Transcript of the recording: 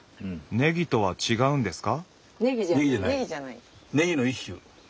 ネギとは違うんですか？